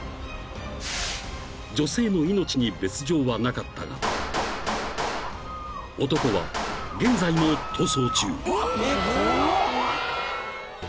［女性の命に別条はなかったが男は現在も逃走中］